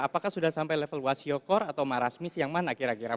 apakah sudah sampai level wasiyokor atau marasmis yang mana kira kira